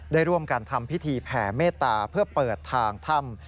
ได้ร่วมกันทำพิธีแผ่เมตตาเพื่อเปิดทางถ้ำ